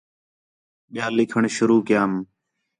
ٻِیال لکھݨ شروع کیام